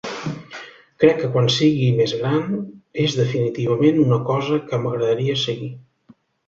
Crec que quan sigui més gran, és definitivament una cosa que m'agradaria seguir.